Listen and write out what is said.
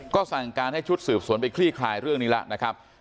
ก็สั่งการให้ชุดสืบสวนไปคลี่คลายเรื่องนี้แล้วนะครับ